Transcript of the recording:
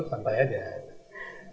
kita bisa sampai saja